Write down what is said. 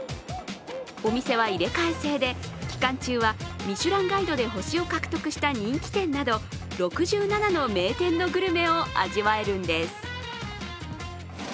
お店は入れ替え制で、期間中はミシュランガイドで星を獲得した人気店など６７の名店のグルメを味わえるんです。